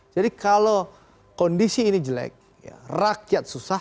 jadi kalau kondisi ini jelek rakyat susah